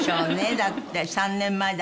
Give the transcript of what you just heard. だって３年前だから。